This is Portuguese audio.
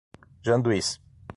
Janduís